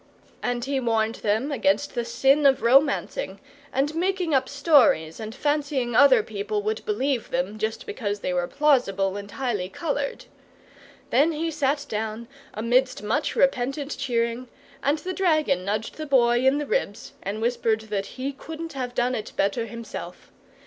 And he warned them against the sin of romancing, and making up stories and fancying other people would believe them just because they were plausible and highly coloured. Then he sat down, amidst much repentant cheering, and the dragon nudged the Boy in the ribs and whispered that he couldn't have done it better himself.